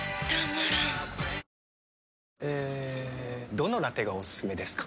どのラテがおすすめですか？